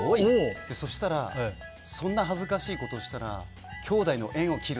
そしたらそんな恥ずかしいことをしたらええ！